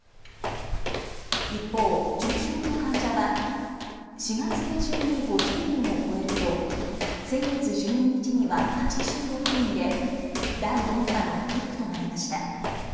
一方、重症の患者は４月下旬に５０人を超えると先月１２日には８６人で第４波のピークとなりました。